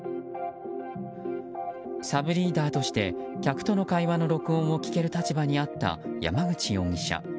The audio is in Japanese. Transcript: サブリーダーとして客との会話の録音を聞ける立場にあった山口容疑者。